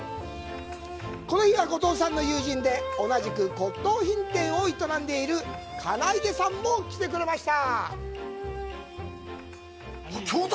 この日は、後藤さんの友人で同じく、骨とう品店を営んでいる金出さんも来てくれました。